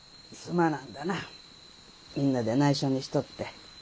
みんなでないしょにしとって。